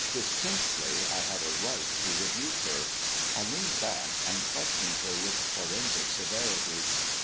Distinctly, I had a right to rebuke her. I leaned back, and questioned her with forensic severity.